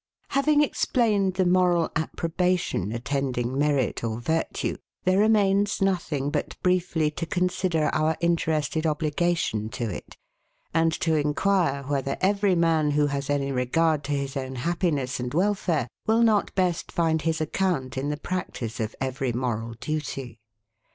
Having explained the moral APPROBATION attending merit or virtue, there remains nothing but briefly to consider our interested OBLIGATION to it, and to inquire whether every man, who has any regard to his own happiness and welfare, will not best find his account in the practice of every moral duty.